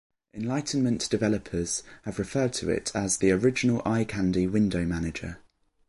Enlightenment developers have referred to it as "the original eye-candy window manager".